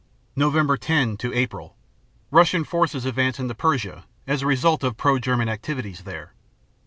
Nov. 10 Apr. Russian forces advance into Persia as a result of pro German activities there.